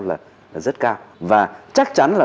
là rất cao và chắc chắn là